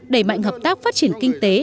đẩy mạnh hợp tác phát triển kinh tế